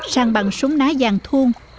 săn bằng súng ná vàng thun